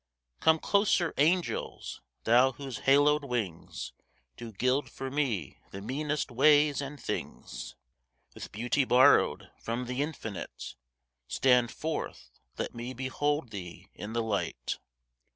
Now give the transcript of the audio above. Come closer, Angels! thou whose haloed wings Do gild for me the meanest ways and things, With beauty borrowed from the Infinite Stand forth, let me behold thee in the light.